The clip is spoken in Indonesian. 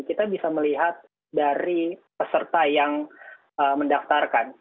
kita bisa melihat dari peserta yang mendaftarkan